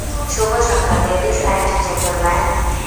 শুভ সন্ধ্যা, ladies and gentle man.